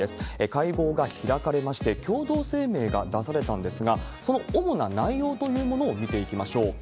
会合が開かれまして、共同声明が出されたんですが、その主な内容というものを見ていきましょう。